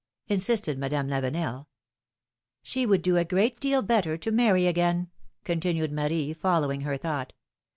insisted Madame Lavenel. She would do a great deal better to marry again," continued Marie, following her thought.